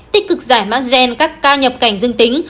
tích cực giải mã gen các ca nhập cảnh dương tính